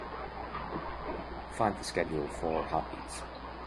Find the schedule for Heart Beats.